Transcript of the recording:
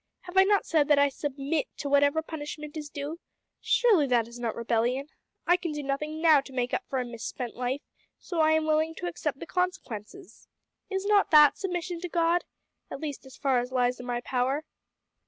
Have I not said that I submit to whatever punishment is due? Surely that is not rebellion. I can do nothing now to make up for a mis spent life, so I am willing to accept the consequences. Is not that submission to God at least as far as lies in my power?"